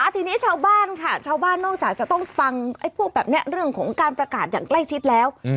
ทีนี้ชาวบ้านค่ะชาวบ้านนอกจากจะต้องฟังพวกแบบนี้เรื่องของการประกาศอย่างใกล้ชิดแล้ว